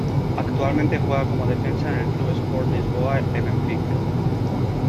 Actualmente juega como defensa en el club Sport Lisboa e Benfica.